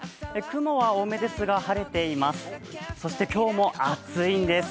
雲は多めですが晴れています。